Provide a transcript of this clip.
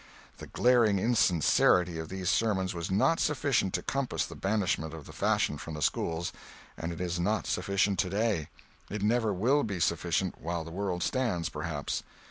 The glaring insincerity of these sermons was not sufficient to compass the banishment of the fashion from the schools, and it is not sufficient today; it never will be sufficient while the world stands, perhaps.